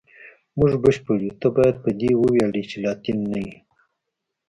موږ بشپړ یو، ته باید په دې وویاړې چې لاتین نه یې.